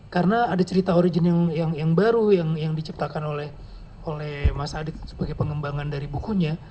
karena ada cerita origin yang baru yang diciptakan oleh mas adit sebagai pengembangan dari bukunya